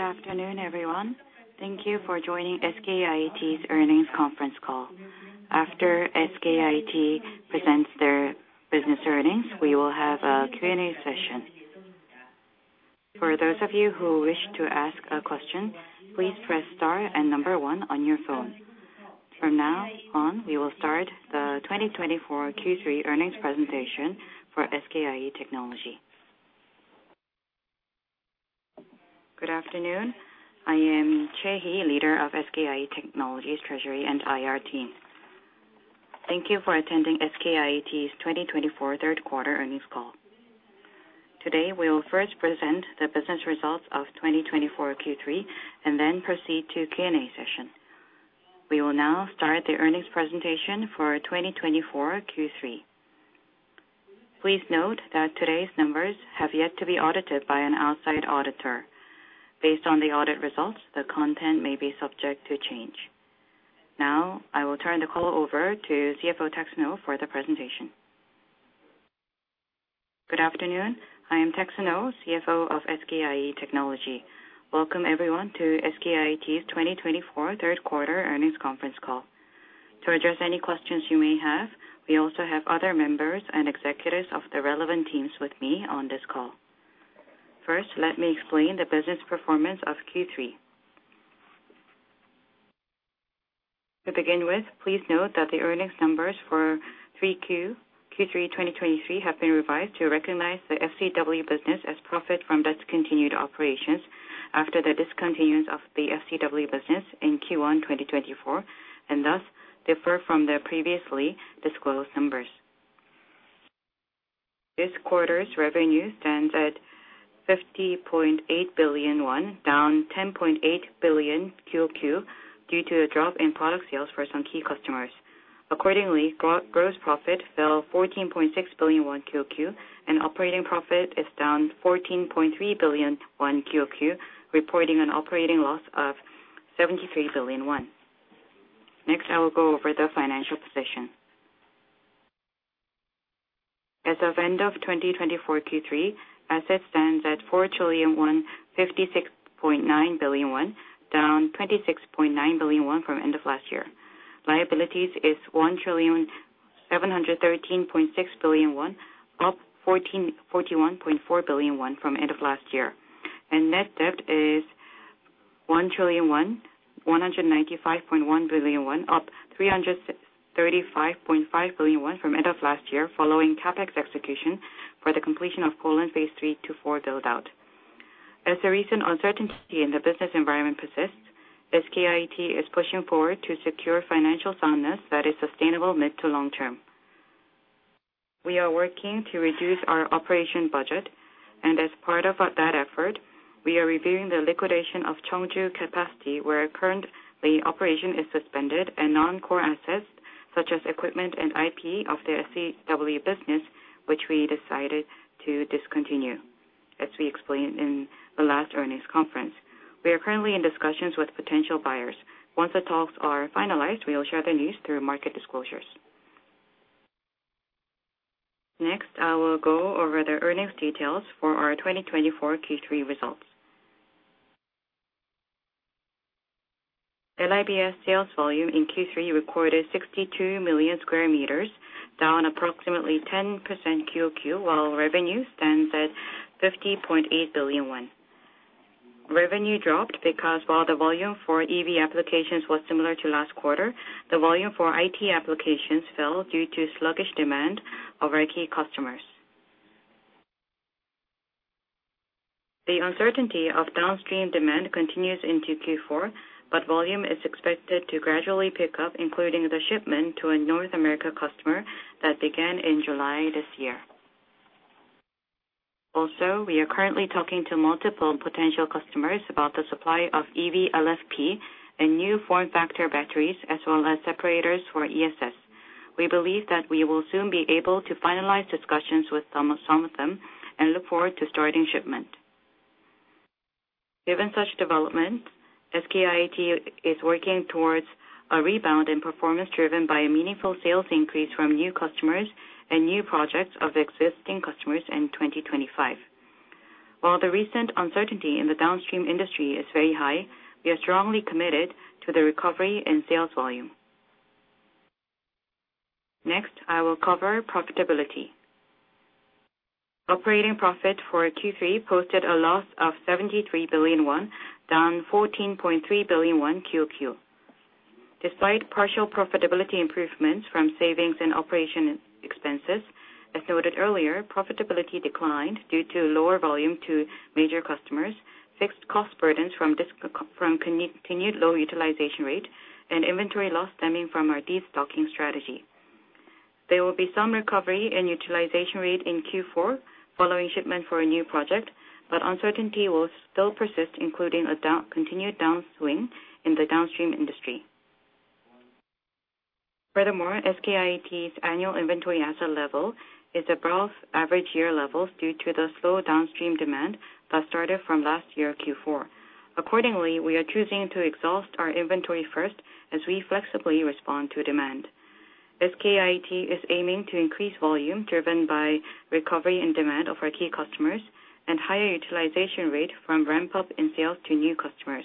Good afternoon, everyone. Thank you for joining SKIET's earnings conference call. After SKIET presents their business earnings, we will have a Q&A session. For those of you who wish to ask a question, please press star and number one on your phone. From now on, we will start the 2024 Q3 earnings presentation for SK IE Technology. Good afternoon. I am Che He, leader of SK IE Technology's Treasury and IR team. Thank you for attending SKIET's 2024 third quarter earnings call. Today, we will first present the business results of 2024 Q3, and then proceed to Q&A session. We will now start the earnings presentation for 2024 Q3. Please note that today's numbers have yet to be audited by an outside auditor. Based on the audit results, the content may be subject to change. Now, I will turn the call over to CFO Taek-seung Oh, for the presentation. Good afternoon. I am Taek-seung Oh, CFO of SK IE Technology. Welcome, everyone, to SKIET's 2024 third quarter earnings conference call. To address any questions you may have, we also have other members and executives of the relevant teams with me on this call. First, let me explain the business performance of Q3. To begin with, please note that the earnings numbers for Q3 2023 have been revised to recognize the FCW business as profit from discontinued operations after the discontinuance of the FCW business in Q1 2024, and thus differ from the previously disclosed numbers. This quarter's revenue stands at 50.8 billion won, down 10.8 billion QOQ, due to a drop in product sales for some key customers. Accordingly, gross profit fell 14.6 billion won QOQ, and operating profit is down 14.3 billion won QOQ, reporting an operating loss of 73 billion won. Next, I will go over the financial position. As of end of 2024 Q3, assets stands at 4,056.9 billion won, down 26.9 billion won from end of last year. Liabilities is 1,713.6 billion won, up 41.4 billion won from end of last year. Net debt is 1,195.1 billion won, up 335.5 billion won from end of last year, following CapEx execution for the completion of Poland phase III-IV build-out. As the recent uncertainty in the business environment persists, SKIET is pushing forward to secure financial soundness that is sustainable mid to long term. We are working to reduce our operation budget, and as part of that effort, we are reviewing the liquidation of Chungju capacity, where currently operation is suspended, and non-core assets, such as equipment and IP of the FCW business, which we decided to discontinue, as we explained in the last earnings conference. We are currently in discussions with potential buyers. Once the talks are finalized, we will share the news through market disclosures. Next, I will go over the earnings details for our 2024 Q3 results. LIBS sales volume in Q3 recorded 62 million square meters, down approximately 10% QOQ, while revenue stands at 50.8 billion won. Revenue dropped because while the volume for EV applications was similar to last quarter, the volume for IT applications fell due to sluggish demand of our key customers. The uncertainty of downstream demand continues into Q4, but volume is expected to gradually pick up, including the shipment to a North America customer that began in July this year. Also, we are currently talking to multiple potential customers about the supply of EV LFP and new form factor batteries, as well as separators for ESS. We believe that we will soon be able to finalize discussions with some, some of them, and look forward to starting shipment. Given such developments, SKIET is working towards a rebound in performance, driven by a meaningful sales increase from new customers and new projects of existing customers in 2025. While the recent uncertainty in the downstream industry is very high, we are strongly committed to the recovery in sales volume. Next, I will cover profitability. Operating profit for Q3 posted a loss of 73 billion won, down 14.3 billion won QOQ. Despite partial profitability improvements from savings and operation expenses, as noted earlier, profitability declined due to lower volume to major customers, fixed cost burdens from continued low utilization rate, and inventory loss stemming from our destocking strategy. There will be some recovery in utilization rate in Q4, following shipment for a new project, but uncertainty will still persist, including continued downswing in the downstream industry. Furthermore, SKIET's annual inventory asset level is above average year levels due to the slow downstream demand that started from last year, Q4. Accordingly, we are choosing to exhaust our inventory first as we flexibly respond to demand. SKIET is aiming to increase volume driven by recovery and demand of our key customers and higher utilization rate from ramp up in sales to new customers.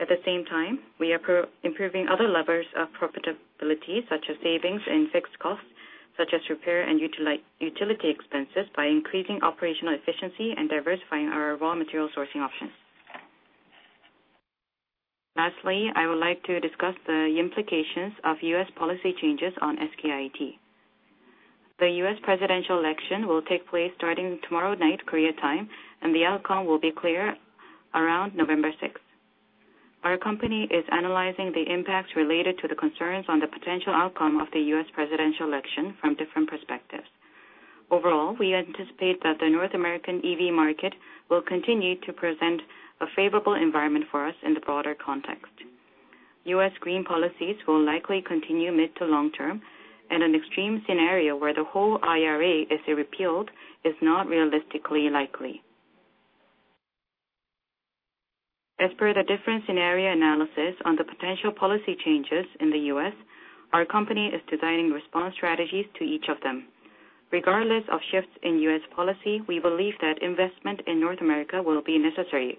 At the same time, we are proactively improving other levers of profitability, such as savings in fixed costs, such as repair and utility expenses, by increasing operational efficiency and diversifying our raw material sourcing options. Lastly, I would like to discuss the implications of U.S. policy changes on SKIET. The U.S. presidential election will take place starting tomorrow night, Korea time, and the outcome will be clear around November 6th. Our company is analyzing the impacts related to the concerns on the potential outcome of the U.S. presidential election from different perspectives. Overall, we anticipate that the North American EV market will continue to present a favorable environment for us in the broader context. U.S. green policies will likely continue mid to long term, and an extreme scenario where the whole IRA is repealed is not realistically likely. As per the different scenario analysis on the potential policy changes in the U.S., our company is designing response strategies to each of them. Regardless of shifts in U.S. policy, we believe that investment in North America will be necessary.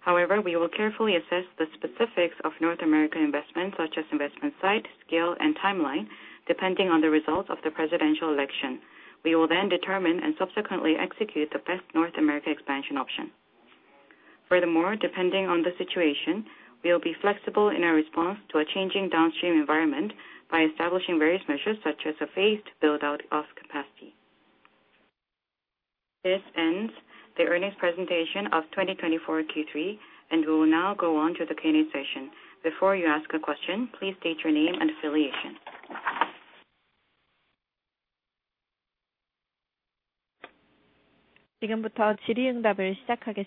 However, we will carefully assess the specifics of North American investment, such as investment site, scale, and timeline, depending on the results of the presidential election. We will then determine and subsequently execute the best North America expansion option. Furthermore, depending on the situation, we will be flexible in our response to a changing downstream environment by establishing various measures, such as a phased build out of capacity. This ends the earnings presentation of 2024 Q3, and we will now go on to the Q&A session. Before you ask a question, please state your name and affiliation. Now Q&A session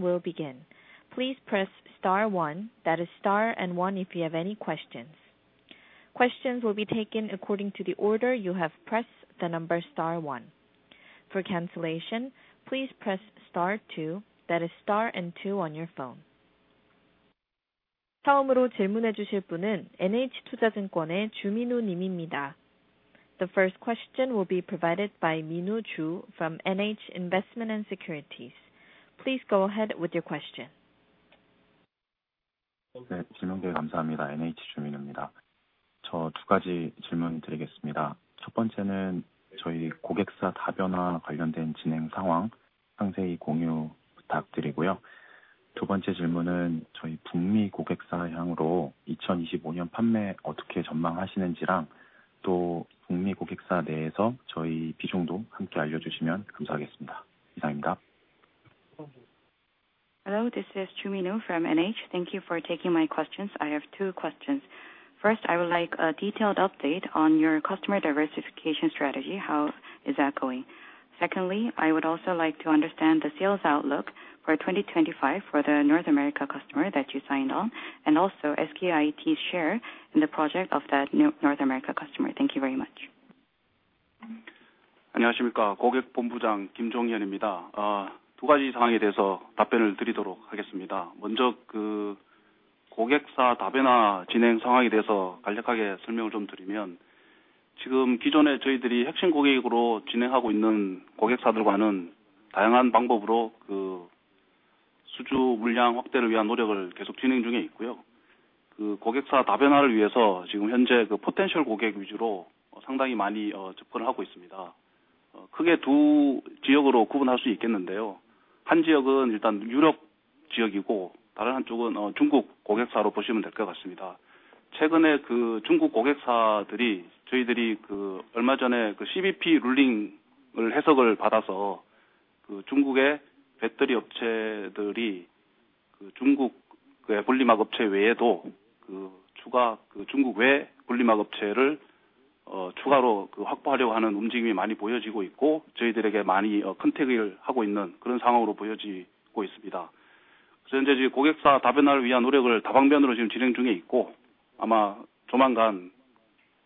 will begin. Please press star one, that is star and one, if you have any questions. Questions will be taken according to the order you have pressed the number star one. For cancellation, please press star two, that is star and two on your phone. The first question will be provided by Min Joo from NH Investment & Securities. Please go ahead with your question. Hello, this is Min Joo from NH. Thank you for taking my questions. I have two questions. First, I would like a detailed update on your customer diversification strategy. How is that going? Secondly, I would also like to understand the sales outlook for 2025 for the North America customer that you signed on, and also SKIET's share in the project of that North America customer. Thank you very much.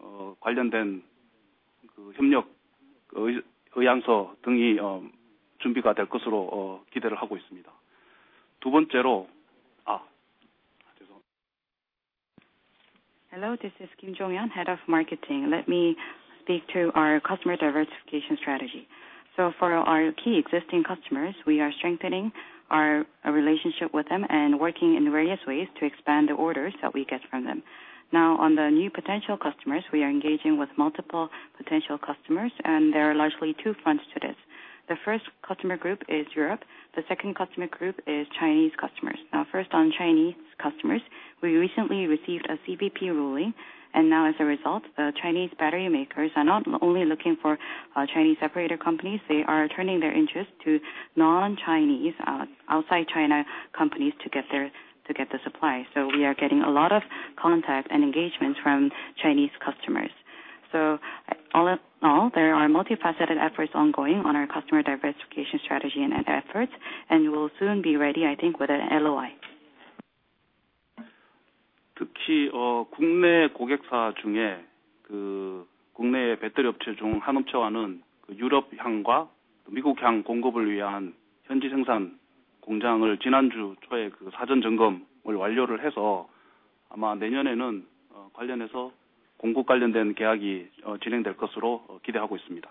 Hello, this is Kim Jongyeon, Head of Marketing. Let me speak to our customer diversification strategy. So for our key existing customers, we are strengthening our relationship with them and working in various ways to expand the orders that we get from them. Now, on the new potential customers, we are engaging with multiple potential customers, and there are largely two fronts to this. The first customer group is Europe, the second customer group is Chinese customers. Now, first on Chinese customers, we recently received a CBP ruling, and now as a result, the Chinese battery makers are not only looking for, Chinese separator companies, they are turning their interest to non-Chinese, outside China companies to get the supply. So we are getting a lot of contact and engagement from Chinese customers. All in all, there are multifaceted efforts ongoing on our customer diversification strategy and efforts, and we will soon be ready, I think, with an LOI. 국내 고객사 중에 그 국내의 배터리 업체 중한 업체와는 유럽향과 미국향 공급을 위한 현지 생산 공장을 지난주 초에 사전 점검을 완료해서 아마 내년에는 관련해서 공급 관련된 계약이 진행될 것으로 기대하고 있습니다.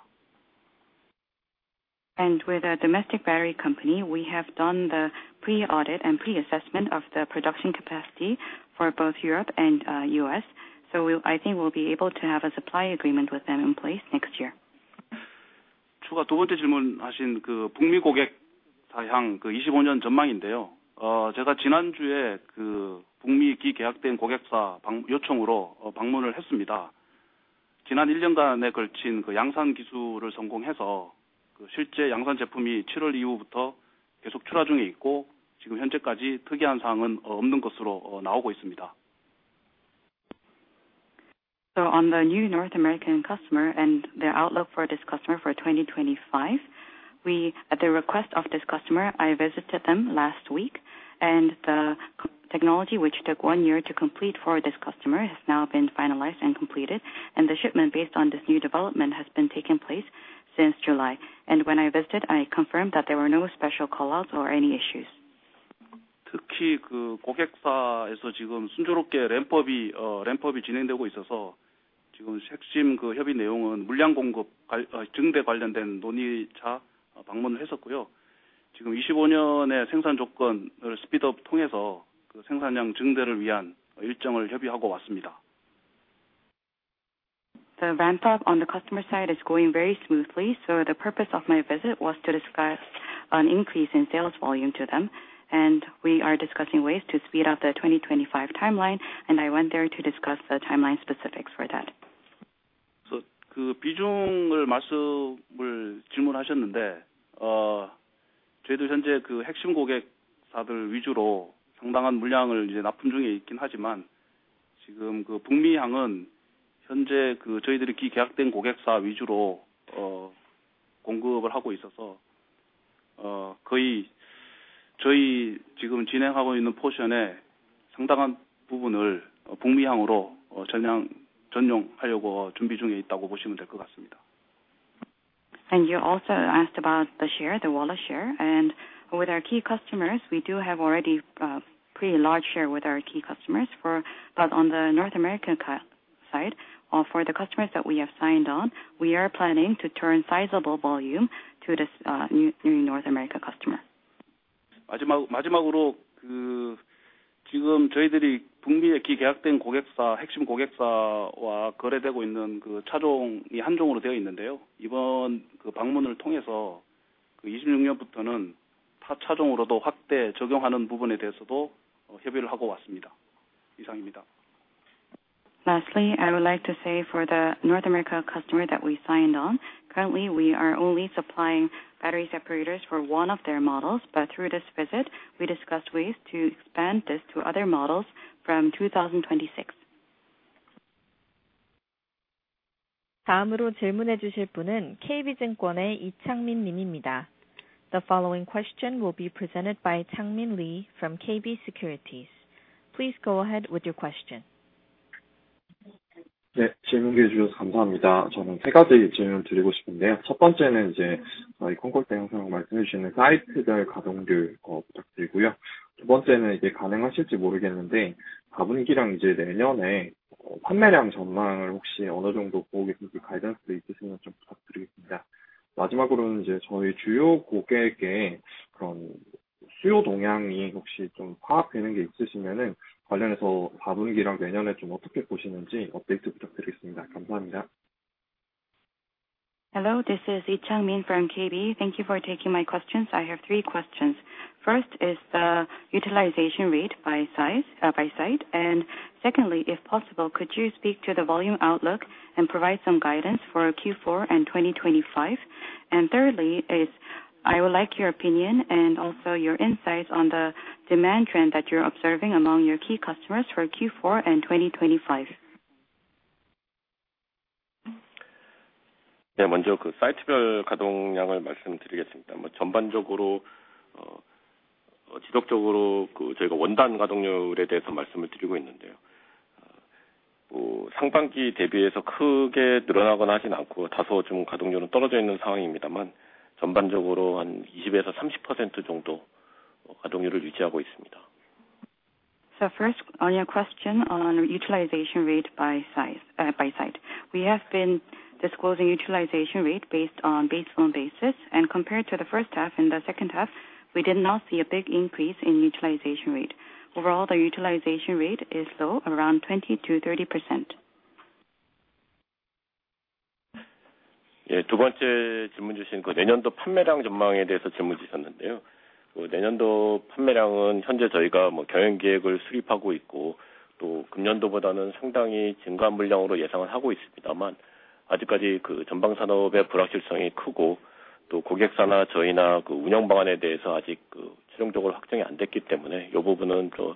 With a domestic battery company, we have done the pre-audit and pre-assessment of the production capacity for both Europe and U.S. So I think we'll be able to have a supply agreement with them in place next year. 추가 두 번째 질문하신, 북미 고객사향 2025년 전망인데요. 제가 지난주에 북미 기존 계약된 고객사 방문 요청으로 방문을 했습니다. 지난 1년간에 걸친 양산 기술을 성공해서, 실제 양산 제품이 7월 이후부터 계속 출하 중에 있고, 지금 현재까지 특이한 사항은 없는 것으로 나오고 있습니다. So on the new North American customer and the outlook for this customer for 2025, we at the request of this customer, I visited them last week, and the technology, which took one year to complete for this customer, has now been finalized and completed, and the shipment, based on this new development, has been taking place since July. And when I visited, I confirmed that there were no special call outs or any issues. 특히 그 고객사에서 지금 순조롭게 램프업이, 램프업이 진행되고 있어서 지금 핵심 그 협의 내용은 물량 공급 갈, 증대 관련된 논의 차 방문을 했었고요. 지금 이십오 년의 생산 조건을 스피드업 통해서 생산량 증대를 위한 일정을 협의하고 왔습니다. To ramp up on the customer side is going very smoothly. So the purpose of my visit was to discuss an increase in sales volume to them, and we are discussing ways to speed up the 2025 timeline I went there to discuss the timeline specifics for that. 그 비중을 말씀을 질문하셨는데, 저희도 현재 그 핵심 고객사들 위주로 상당한 물량을 이제 납품 중에 있긴 하지만, 지금 그 북미향은 현재 그 저희들이 기계약된 고객사 위주로, 공급을 하고 있어서, 거의 저희 지금 진행하고 있는 포션에 상당한 부분을 북미향으로 전용하려고 준비 중에 있다고 보시면 될것 같습니다. And you also asked about the share, the wallet share. And with our key customers, we do have already pretty large share with our key customers, but on the North American side, for the customers that we have signed on, we are planning to turn sizable volume to this new North America customer. 마지막, 마지막으로, 그, 지금 저희들이 북미에 기계약된 고객사, 핵심 고객사와 거래되고 있는 그 차종이 한 종으로 되어 있는데요 이번 그 방문을 통해서 그 26년부터는 타 차종으로도 확대 적용하는 부분에 대해서도 협의를 하고 왔습니다. 이상입니다. Lastly, I would like to say for the North America customer that we signed on, currently, we are only supplying battery separators for one of their models. But through this visit, we discussed ways to expand this to other models from 2026. 다음으로 질문해 주실 분은 KB증권의 이창민 님입니다. The following question will be presented by Changmin Lee from KB Securities. Please go ahead with your question. 네, 질문해 주셔서 감사합니다. 저는 세 가지 질문을 드리고 싶은데요. 첫 번째는 이제 저희 콘콜 때 항상 말씀해 주시는 사이트별 가동률, 부탁드리고요. 두 번째는 이제 가능하실지 모르겠는데, 자분기랑 이제 내년에 판매량 전망을 혹시 어느 정도 보고 계신지 가이던스 있으시면 좀 부탁드리겠습니다. 마지막으로는 이제 저희 주요 고객의 그런 수요 동향이 혹시 좀 파악되는 게 있으시면은 관련해서 자분기랑 내년에 좀 어떻게 보시는지 업데이트 부탁드리겠습니다. 감사합니다. Hello, this is Changmin from KB. Thank you for taking my questions. I have three questions. First, is the utilization rate by size, by site. And secondly, if possible, could you speak to the volume outlook and provide some guidance for Q4 and 2025? And thirdly is, I would like your opinion and also your insights on the demand trend that you're observing among your key customers for Q4 and 2025. 네, 먼저 그 사이트별 가동량을 말씀드리겠습니다. 뭐, 전반적으로 어, 지속적으로 그 저희가 원단 가동률에 대해서 말씀을 드리고 있는데요. 뭐, 상반기 대비해서 크게 늘어나거나 하진 않고, 다소 좀 가동률은 떨어져 있는 상황입니다만 전반적으로 한 이십에서 삼십 퍼센트 정도 가동률을 유지하고 있습니다. So first, on your question on utilization rate by size, by site, we have been disclosing utilization rate based on base film basis. Compared to the first half and the second half, we did not see a big increase in utilization rate. Overall, the utilization rate is still around 20%-30%. 예, 두 번째 질문 주신 그 내년도 판매량 전망에 대해서 질문 주셨는데요. 그 내년도 판매량은 현재 저희가 뭐, 경영 계획을 수립하고 있고, 또 금년도보다는 상당히 증가한 물량으로 예상을 하고 있습니다만, 아직까지 그 전방 산업의 불확실성이 크고, 또 고객사나 저희나 그 운영 방안에 대해서 아직 그 최종적으로 확정이 안 됐기 때문에, 이 부분은 저,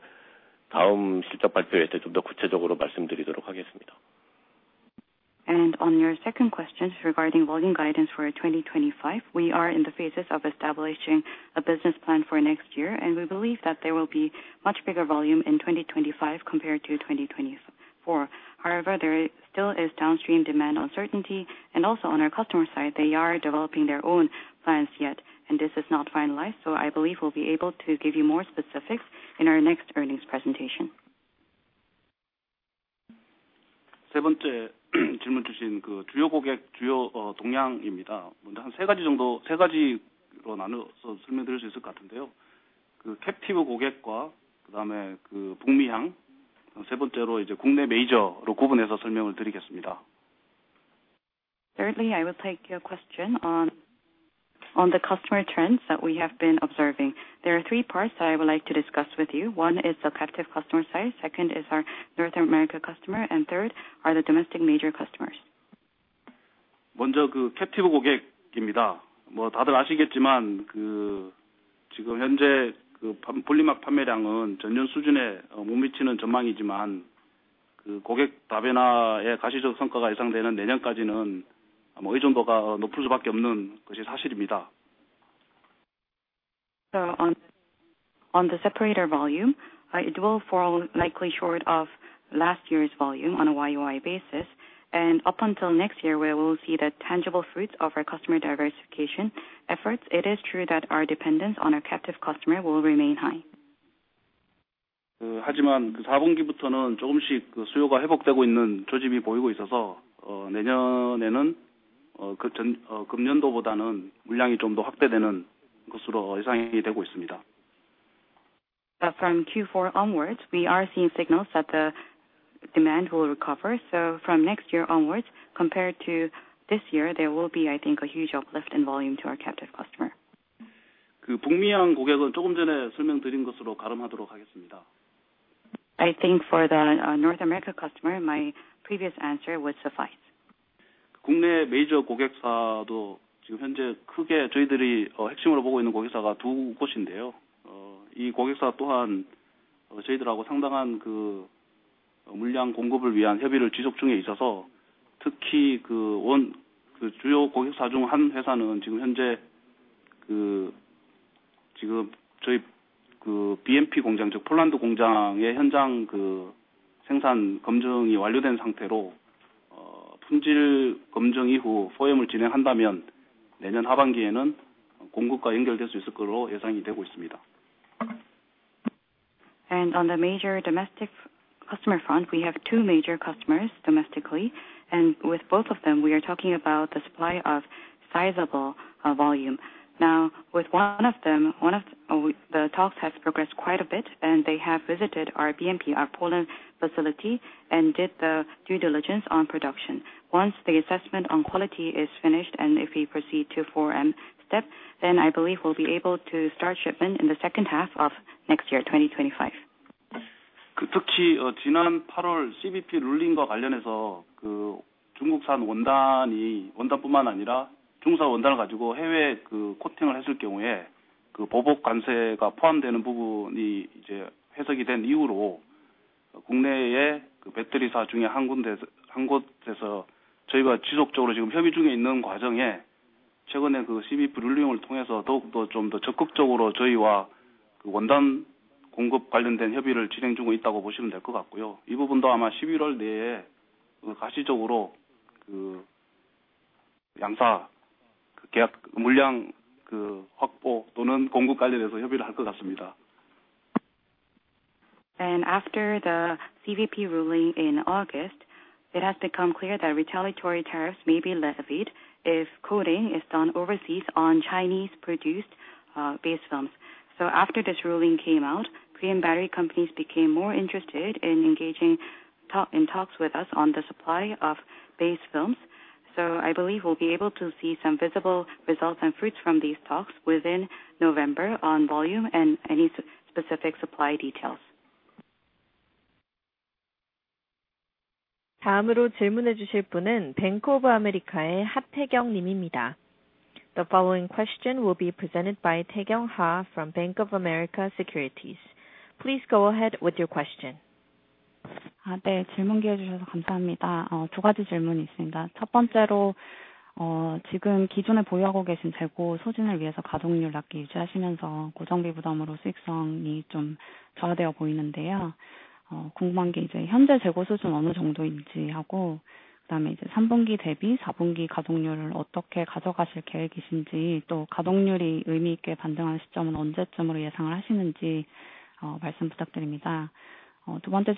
다음 실적 발표 때좀더 구체적으로 말씀드릴 수... On your second question, regarding volume guidance for 2025, we are in the phases of establishing a business plan for next year, and we believe that there will be much bigger volume in 2025 compared to 2024. However, there still is downstream demand uncertainty, and also on our customer side, they are developing their own plans yet, and this is not finalized. I believe we'll be able to give you more specifics in our next earnings presentation. 17. Thirdly, I will take your question on, on the customer trends that we have been observing. There are three parts that I would like to discuss with you. One is the captive customer size, second is our North America customer, and third are the domestic major customers. So on the separator volume, it will fall likely short of last year's volume on a YOY basis, and up until next year, where we will see the tangible fruits of our customer diversification efforts, it is true that our dependence on our captive customer will remain high. From Q4 onwards, we are seeing signals that the demand will recover. So from next year onwards, compared to this year, there will be, I think, a huge uplift in volume to our captive customer. I think for the North America customer, my previous answer would suffice. And on the major domestic customer front, we have two major customers, domestically, and with both of them, we are talking about the supply of sizable volume. Now, with one of them, one of the talks has progressed quite a bit and they have visited our BMP, our Poland facility, and did the due diligence on production. Once the assessment on quality is finished, and if we proceed to 4M Step, then I believe we'll be able to start shipping in the second half of next year, 2025. After the CBP ruling in August, it has become clear that retaliatory tariffs may be levied if coating is done overseas on Chinese-produced base films. After this ruling came out, Korean battery companies became more interested in engaging in talks with us on the supply of base films. I believe we'll be able to see some visible results and fruits from these talks within November on volume and any specific supply details. The following question will be presented by Taekyung Yoon from Bank of America Securities. Please go ahead with your question. Hello, thank you for taking my questions. I have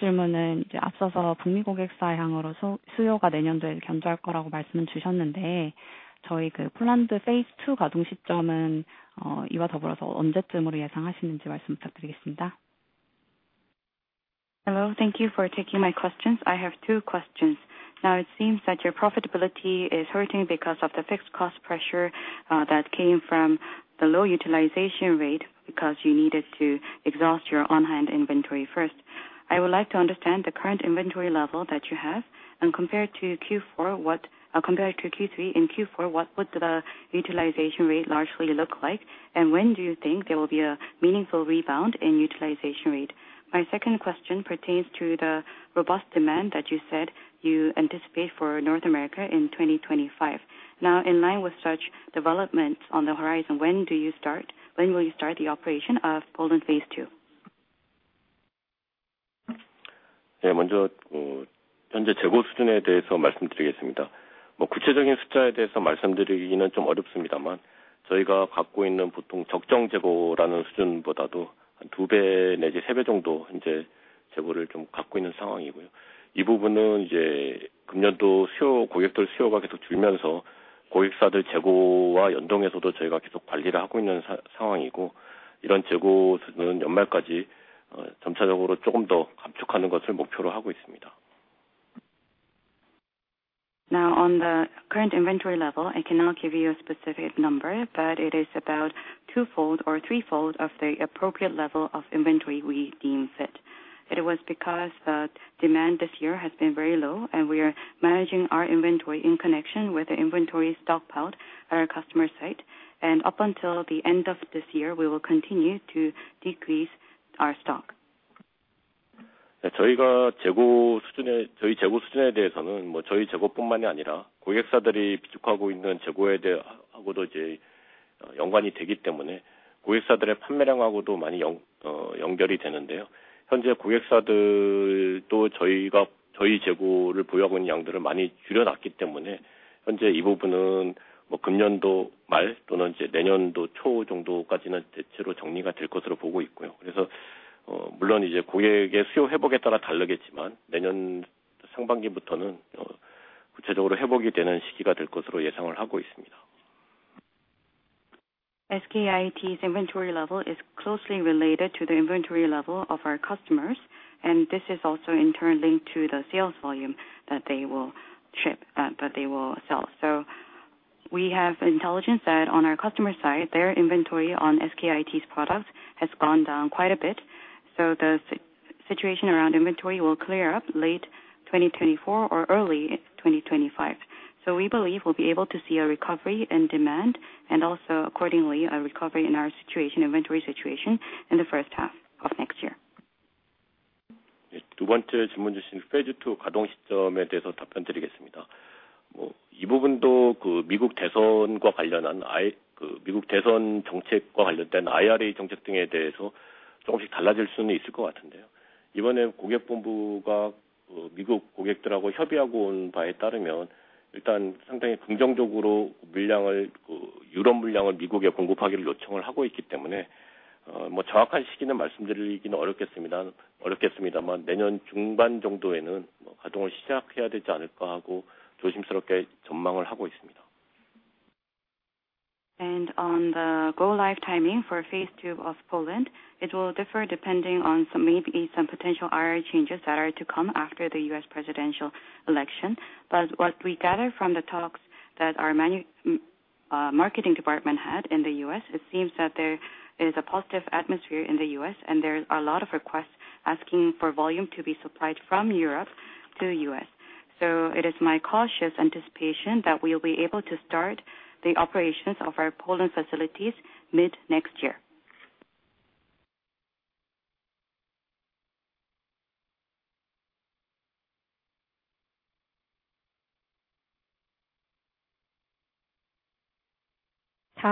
two questions. Now, it seems that your profitability is hurting because of the fixed cost pressure that came from the low utilization rate, because you needed to exhaust your on-hand inventory first. I would like to understand the current inventory level that you have, and compared to Q3 and Q4, what would the utilization rate largely look like? And when do you think there will be a meaningful rebound in utilization rate? My second question pertains to the robust demand that you said you anticipate for North America in 2025. Now, in line with such developments on the horizon, when do you start? When will you start the operation of Poland phase II? Yeah. Now, on the current inventory level, I cannot give you a specific number, but it is about twofold or threefold of the appropriate level of inventory we deem fit. It was because the demand this year has been very low, and we are managing our inventory in connection with the inventory stockpiled at our customer site. And up until the end of this year, we will continue to decrease our stock. SKIET's inventory level is closely related to the inventory level of our customers, and this is also in turn linked to the sales volume that they will ship, that they will sell. So we have intelligence that on our customer side, their inventory on SKIET's products has gone down quite a bit, so the situation around inventory will clear up late 2024 or early 2025. So we believe we'll be able to see a recovery in demand and also accordingly, a recovery in our situation, inventory situation in the first half of next year. On the go live timing for phase two of Poland, it will differ depending on some, maybe some potential IRA changes that are to come after the U.S. presidential election. But what we gather from the talks that our marketing department had in the U.S., it seems that there is a positive atmosphere in the U.S. and there are a lot of requests asking for volume to be supplied from Europe to the U.S. So it is my cautious anticipation that we will be able to start the operations of our Poland facilities mid-next year. The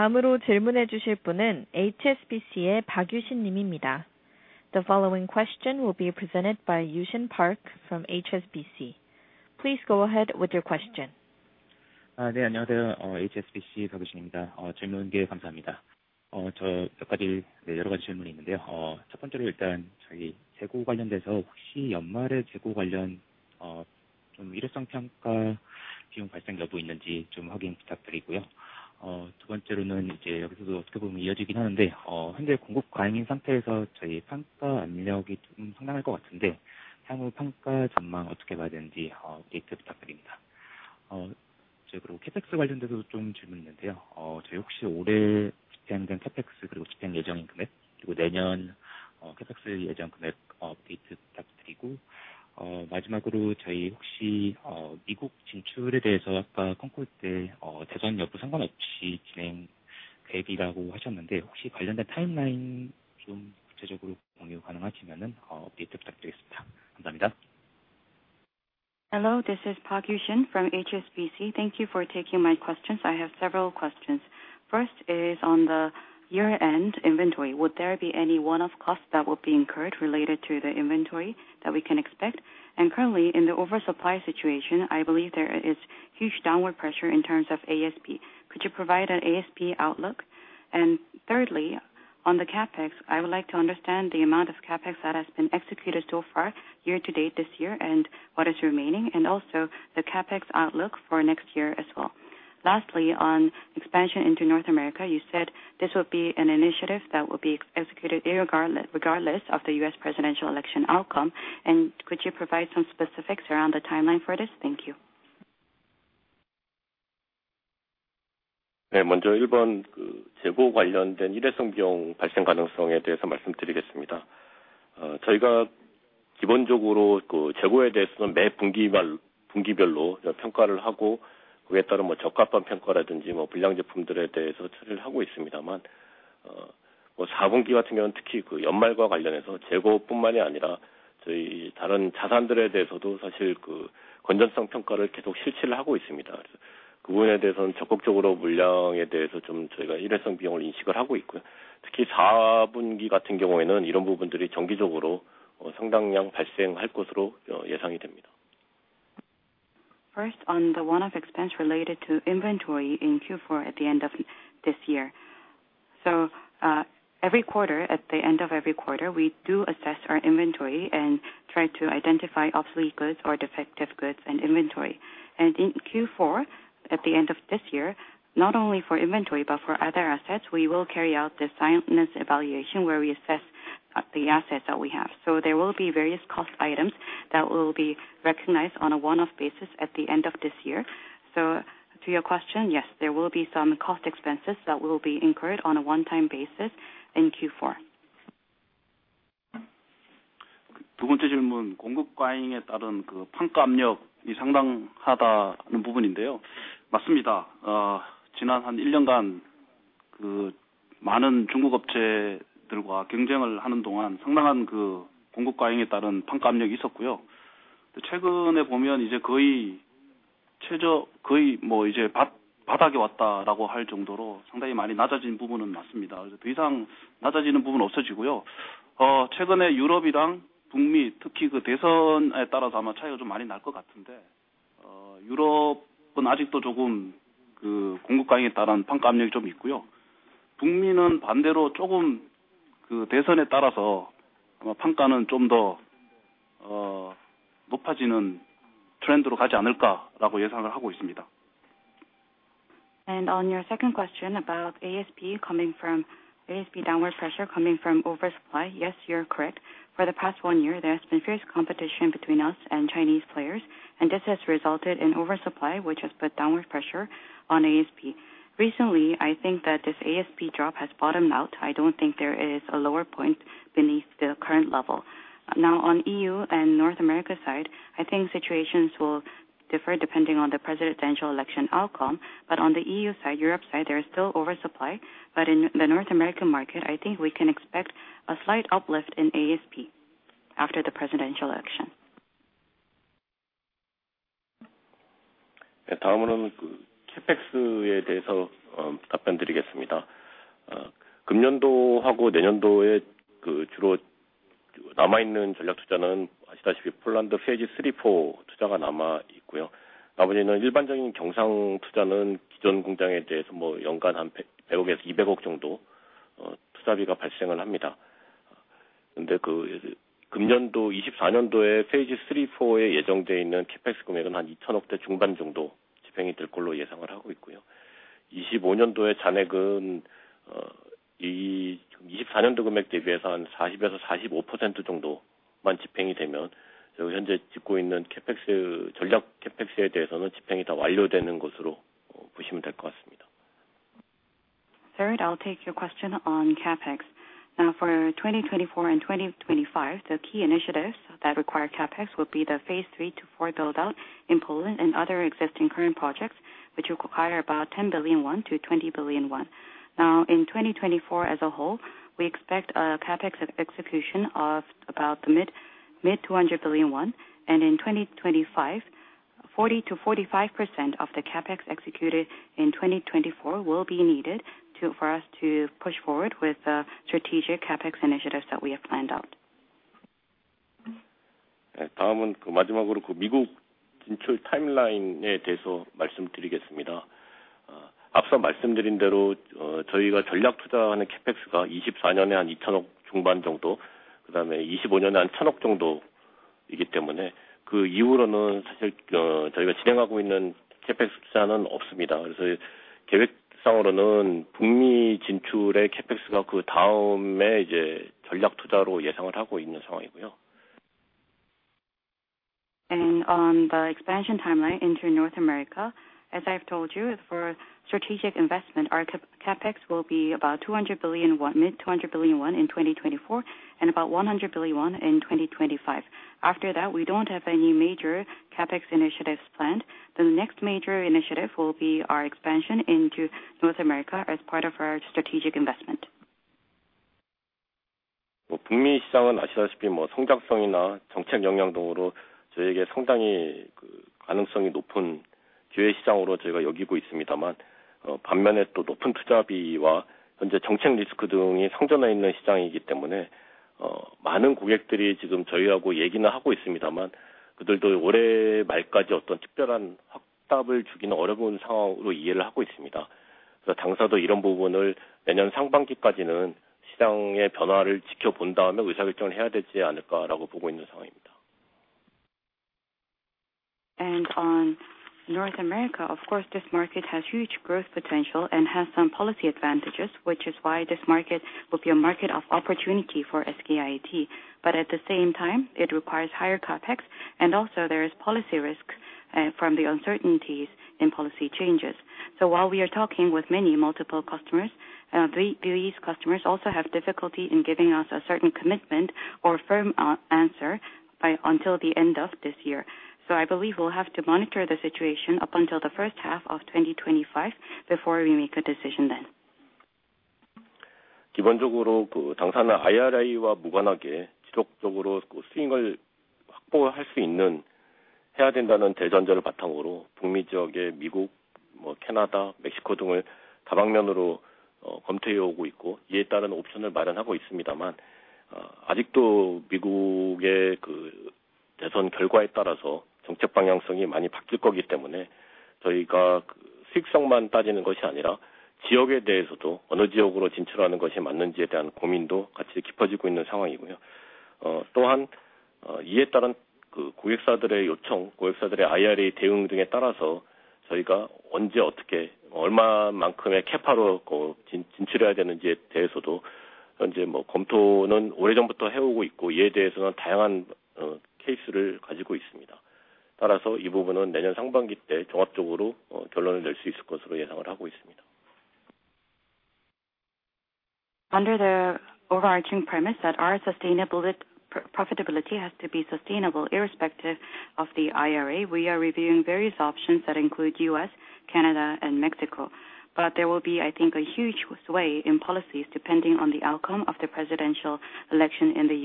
following question will be presented by Park Yushin from HSBC. Please go ahead with your question. 안녕하세요. HSBC, Park Yushin. 질문 감사합니다. 저몇 가지, 네, 여러 가지 질문이 있는데요. 첫 번째로 일단 저희 재고 관련돼서 혹시 연말에 재고 관련, 좀 일회성 평가 비용 발생 여부 있는지 좀 확인 부탁드리고요. 두 번째로는 이제 여기서도 어떻게 보면 이어지긴 하는데, 현재 공급 과잉인 상태에서 저희 평가 압력이 조금 상당할 것 같은데, 향후 평가 전망 어떻게 봐야 되는지, 업데이트 부탁드립니다. 그리고 CapEx 관련돼서도 좀 질문이 있는데요. 저희 혹시 올해 집행된 CapEx 그리고 집행 예정인 금액, 그리고 내년, CapEx 예정 금액 업데이트 부탁드리고, 마지막으로 저희 혹시, 미국 진출에 대해서 아까 컨콜 때, 대선 여부 상관없이 진행 계획이라고 하셨는데, 혹시 관련된 타임라인 좀 구체적으로 공유 가능하시면, 업데이트 부탁드리겠습니다. 감사합니다. Hello, this is Park Yushin from HSBC. Thank you for taking my questions. I have several questions. First is on the year-end inventory. Would there be any one-off costs that will be incurred related to the inventory that we can expect? And currently, in the oversupply situation, I believe there is huge downward pressure in terms of ASP. Could you provide an ASP outlook? And thirdly, on the CapEx, I would like to understand the amount of CapEx that has been executed so far year to date this year and what is remaining, and also the CapEx outlook for next year as well. Lastly, on expansion into North America, you said this will be an initiative that will be executed regardless of the U.S. presidential election outcome. And could you provide some specifics around the timeline for this? Thank you. ...네, 먼저 일본 그 재고 관련된 일회성 비용 발생 가능성에 대해서 말씀드리겠습니다. 저희가 기본적으로 그 재고에 대해서는 매 분기 말, 분기별로 평가를 하고, 그에 따른 뭐 적합한 평가라든지, 뭐 불량 제품들에 대해서 처리를 하고 있습니다만, 뭐 사분기 같은 경우는 특히 그 연말과 관련해서 재고뿐만이 아니라 저희 다른 자산들에 대해서도 사실 그 건전성 평가를 계속 실시를 하고 있습니다. 그 부분에 대해서는 적극적으로 물량에 대해서 좀 저희가 일회성 비용을 인식을 하고 있고요. 특히 사분기 같은 경우에는 이런 부분들이 정기적으로 상당량 발생할 것으로 예상이 됩니다. First, on the one-off expense related to inventory in Q4 at the end of this year. So, every quarter, at the end of every quarter, we do assess our inventory and try to identify obsolete goods or defective goods and inventory. And in Q4, at the end of this year, not only for inventory, but for other assets, we will carry out the systematic evaluation, where we assess the assets that we have. So there will be various cost items that will be recognized on a one-off basis at the end of this year. So to your question, yes, there will be some cost expenses that will be incurred on a one-time basis in Q4. 두 번째 질문, 공급 과잉에 따른 그 평가 압력이 상당하다는 부분인데요. 맞습니다. 지난 1년간 그 많은 중국 업체들과 경쟁을 하는 동안 상당한 그 공급 과잉에 따른 평가 압력이 있었고요. 최근에 보면 이제 거의 최저, 거의 바닥에 왔다라고 할 정도로 상당히 많이 낮아진 부분은 맞습니다. 그래서 더 이상 낮아지는 부분은 없어지고요. 최근에 유럽이랑 북미, 특히 그 대선에 따라서 아마 차이가 좀 많이 날것 같은데, 유럽은 아직도 조금 그 공급 과잉에 따른 평가 압력이 좀 있고요. 북미는 반대로 조금 그 대선에 따라서 평가는 좀더 높아지는 트렌드로 가지 않을까라고 예상하고 있습니다. On your second question about ASP coming from ASP downward pressure coming from oversupply. Yes, you are correct. For the past one year, there has been fierce competition between us and Chinese players, and this has resulted in oversupply, which has put downward pressure on ASP. Recently, I think that this ASP drop has bottomed out. I don't think there is a lower point beneath the current level. Now, on EU and North America side, I think situations will differ depending on the presidential election outcome. But on the EU side, Europe side, there is still oversupply. But in the North American market, I think we can expect a slight uplift in ASP after the presidential election. 네, 다음으로는 그 CapEx에 대해서 답변드리겠습니다. 금년도하고 내년도에 그 주로 남아있는 전략 투자는 아시다시피 폴란드 Phase 3, 4 투자가 남아 있고요. 나머지는 일반적인 경상 투자는 기존 공장에 대해서 뭐 연간 100억-200억 정도 투자비가 발생을 합니다. 근데 그 금년도 2024년에 Phase 3, 4에 예정되어 있는 CapEx 금액은 한 2000억대 중반 정도 집행이 될 것으로 예상을 하고 있고요. 2025년에 잔액은 2024년 금액 대비해서 한 40%-45% 정도만 집행이 되면, 저희가 현재 짓고 있는 CapEx, 전략 CapEx에 대해서는 집행이 다 완료되는 것으로 보시면 될것 같습니다. Third, I'll take your question on CapEx. Now for 2024 and 2025, the key initiatives that require CapEx will be the Phase 3-4 build out in Poland and other existing current projects, which require about 10 billion-20 billion won. Now, in 2024 as a whole, we expect a CapEx execution of about the mid-200 billion KRW, and in 2025, 40%-45% of the CapEx executed in 2024 will be needed to, for us to push forward with the strategic CapEx initiatives that we have planned out. 네, 다음은 그 마지막으로 그 미국 진출 타임라인에 대해서 말씀드리겠습니다. 앞서 말씀드린 대로, 저희가 전략 투자하는 CapEx가 2024년에 KRW 1,200억 중반 정도, 그다음에 2025년에 KRW 1,000억 정도이기 때문에 그 이후로는 사실 그 저희가 진행하고 있는 CapEx 투자는 없습니다. 그래서 계획상으로는 북미 진출의 CapEx가 그 다음에 이제 전략 투자로 예상을 하고 있는 상황이고요. On the expansion timeline into North America. As I've told you, for strategic investment, our CapEx will be about 200 billion won, mid 200 billion won in 2024, and about 100 billion won in 2025. After that, we don't have any major CapEx initiatives planned. The next major initiative will be our expansion into North America as part of our strategic investment. 북미 시장은 아시다시피, 성장성이나 정책 역량 등으로 저희에게 상당히 그 가능성이 높은 주요 시장으로 저희가 여기고 있습니다만, 반면에 또 높은 투자비와 현재 정책 리스크 등이 상존해 있는 시장이기 때문에, 많은 고객들이 지금 저희하고 얘기는 하고 있습니다만, 그들도 올해 말까지 어떤 특별한 확답을 주기는 어려운 상황으로 이해를 하고 있습니다. 그래서 당사도 이런 부분을 내년 상반기까지는 시장의 변화를 지켜본 다음에 의사결정을 해야 되지 않을까라고 보고 있는 상황입니다. On North America, of course, this market has huge growth potential and has some policy advantages, which is why this market will be a market of opportunity for SK IE Technology. But at the same time, it requires higher CapEx and also there is policy risk... and from the uncertainties in policy changes. So while we are talking with many multiple customers, these customers also have difficulty in giving us a certain commitment or firm answer by until the end of this year. So I believe we'll have to monitor the situation up until the first half of 2025 before we make a decision then. Under the overarching premise that our sustainability, profitability has to be sustainable, irrespective of the IRA, we are reviewing various options that include US, Canada and Mexico. But there will be, I think, a huge sway in policies depending on the outcome of the presidential election in the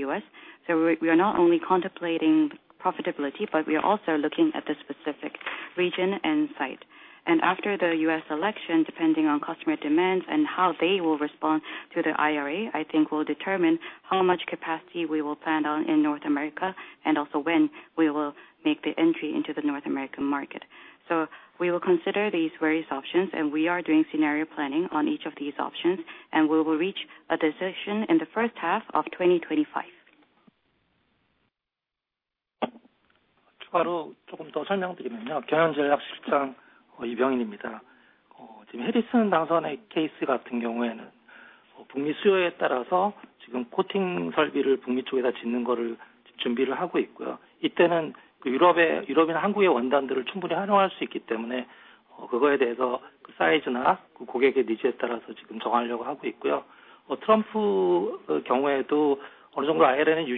US. So we, we are not only contemplating profitability, but we are also looking at the specific region and site. And after the US election, depending on customer demands and how they will respond to the IRA, I think will determine how much capacity we will plan on in North America, and also when we will make the entry into the North American market. So we will consider these various options, and we are doing scenario planning on each of these options, and we will reach a decision in the first half of 2025. Hi, this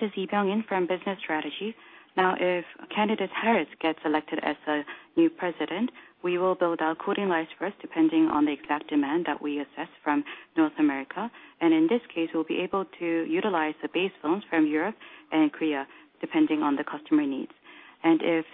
is Lee Byung-In from Business Strategy. Now, if candidate Harris gets elected as a new president, we will build our coating lines first, depending on the exact demand that we assess from North America. In this case, we'll be able to utilize the base lines from Europe and Korea, depending on the customer needs. If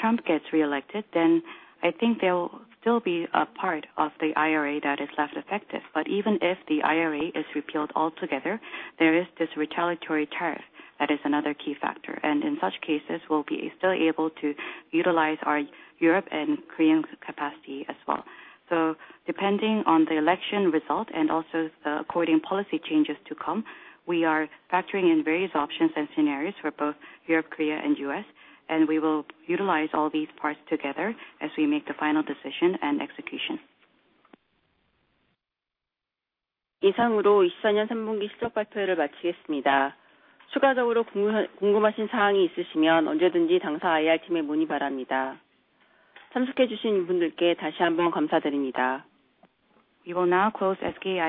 Trump gets reelected, then I think there will still be a part of the IRA that is left effective. But even if the IRA is repealed altogether, there is this retaliatory tariff that is another key factor. In such cases, we'll be still able to utilize our Europe and Korean capacity as well. So depending on the election result and also the according policy changes to come, we are factoring in various options and scenarios for both Europe, Korea, and U.S. We will utilize all these parts together as we make the final decision and execution. We will now close SKI...